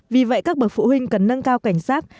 vì vậy các bậc phụ huynh cần nâng cao cảnh giác